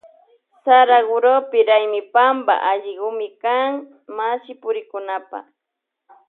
Saragurupa raymipampa allikumi kan mashipurikkunapa.